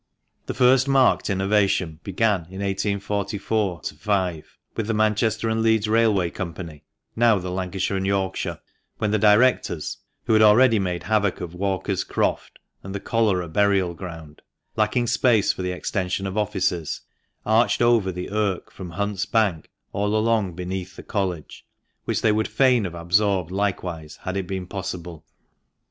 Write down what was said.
The first marked innovation began in 1844 5 with the Manchester and Leeds Railway Company (now the Lancashire and Yorkshire) when the directors, who had already made havoc of Walker's Croft, and the Cholera Burial ground, lacking space for the extension of offices, arched over the Irk from Hunt's Bank all along beneath the College, which they would fain have absorbed likewise, had it been possible.